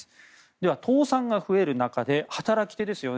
では、倒産が増える中で働き手ですよね